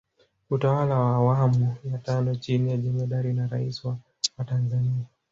Utawala wa awamu ya tano chini ya Jemedari na Rais wa Watanzania